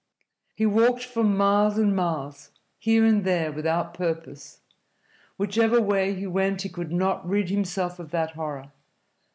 He walked for miles and miles, here and there, without purpose. Whichever way he went he could not rid himself of that horror.